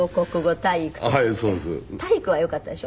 体育はよかったでしょ？